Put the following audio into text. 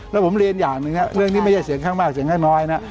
แล้วผมเรียนอย่างหนึ่งเรื่องนี้ไม่ใช่เสียงข้างมากเสียงข้างน้อยนะ